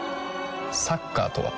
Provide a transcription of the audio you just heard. サッカーとは？